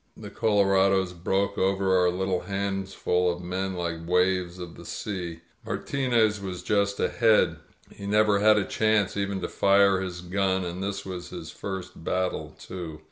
The colonidoi broke over our little handfuls of men like waves of the sea. Martinez was just ahead. He never had a chance even to fire his gun — and this was his first battle, too.